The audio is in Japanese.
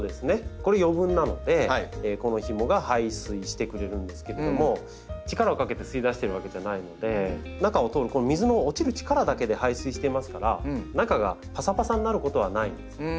これ余分なのでこのひもが排水してくれるんですけれども力をかけて吸い出してるわけじゃないので中を通るこの水の落ちる力だけで排水していますから中がパサパサになることはないんです。